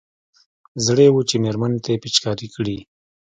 زړه يې و چې مېرمنې ته يې پېچکاري کړي.